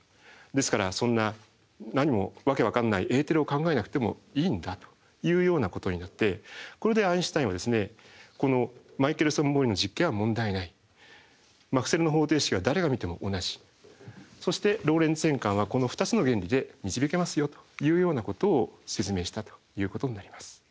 ですからそんな何も訳わかんないエーテルを考えなくてもいいんだというようなことになってこれでアインシュタインはこのマイケルソン・モーリーの実験は問題ないマクスウェルの方程式は誰が見ても同じそしてローレンツ変換はこの２つの原理で導けますよというようなことを説明したということになります。